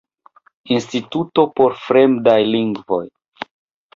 Instituto por fremdaj lingvoj.